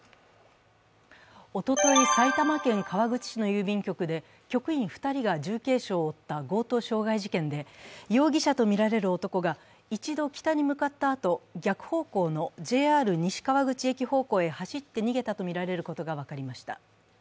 おととい、埼玉県川口市の郵便局で局員２人が重軽傷を負った強盗傷害事件で容疑者とみられる男が一度北に向かったあと、逆方向のＪＲ西川口駅方向へ走って逃げたとみられることが分かりました。